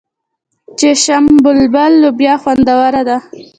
چشم بلبل لوبیا خوندوره ده.